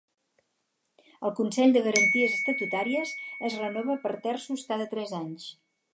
El Consell de Garanties Estatutàries es renova per terços cada tres anys.